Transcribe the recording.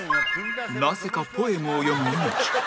なぜかポエムを読む猪木